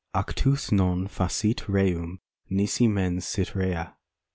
Actus non facit reum nisi mens sit eea.